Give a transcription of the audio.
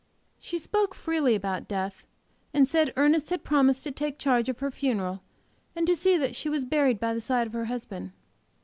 She spoke freely about death, and said Ernest had promised to take charge of her funeral, and to see that she was buried by the side of her husband.